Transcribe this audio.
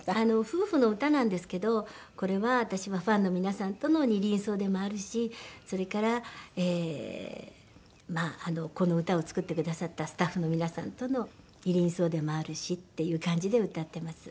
夫婦の歌なんですけどこれは私はファンの皆さんとの『二輪草』でもあるしそれからこの歌を作ってくださったスタッフの皆さんとの『二輪草』でもあるしっていう感じで歌ってます。